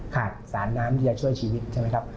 ขาดสารน้ำที่จะช่วยชีวิตใช่ไหมครับ